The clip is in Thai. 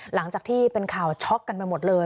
หลังจากที่เป็นข่าวช็อกกันไปหมดเลย